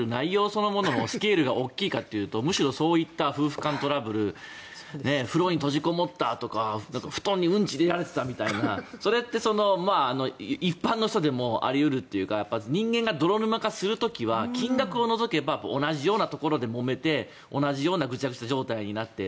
そのものがスケールが大きいかというとむしろ夫婦間トラブル風呂に閉じこもったとか布団にうんちがあったみたいなそれって一般の人でもあり得るというか人間が泥沼化する時は金額を除けば同じようなところでもめて同じようなぐちゃぐちゃ状態になって。